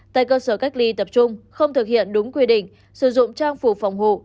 tại cơ sở cách ly tập trung không thực hiện đúng quy định sử dụng trang phục phòng hộ